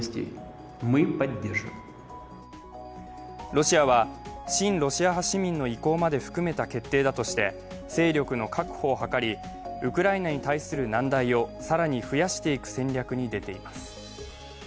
ロシアは親ロシア派市民の意向まで含めた決定だとして勢力の確保を図りウクライナに対する難題を更に増やしていく戦略に出ています。